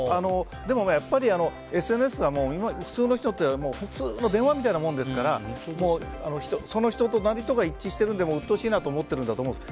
でも、やっぱりＳＮＳが普通の人って普通の電話みたいなものですからその人となりとかが一致してるのでうっとうしいなと思ってるんだと思うんです。